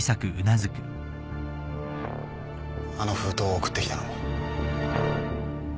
あの封筒を送ってきたのも？